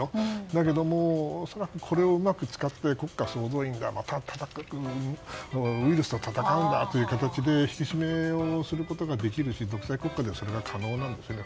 だけども恐らくこれをうまく使って国家総動員だウイルスと闘うんだという形で引き締めをすることができるし独裁国家ですから可能なんですよね。